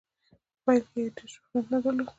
په پیل کې یې ډیر شهرت نه درلود.